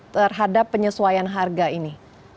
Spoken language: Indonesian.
terhadap penyesuaian harga ini